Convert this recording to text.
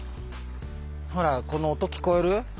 ほらこの音聞こえる？